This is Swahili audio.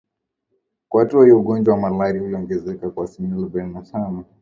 Kwa hatua hiyo ugonjwa wa malaria uliongezeka kwa asilimia arobaini na tano